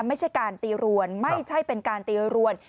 ไม่ใช่การตีรวนไม่ใช่เป็นการตีรวน